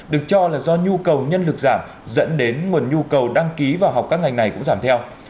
được cho là do nhu cầu nhân lực giảm dẫn đến nguồn nhu cầu đăng ký vào học các ngành này cũng giảm theo